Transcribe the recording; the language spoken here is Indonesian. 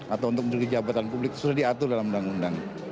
atau untuk menduduki jabatan publik sudah diatur dalam undang undang